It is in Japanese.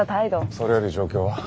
それより状況は？